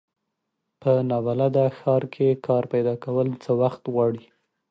په ناولده ښار کې کار پیداکول څه وخت غواړي.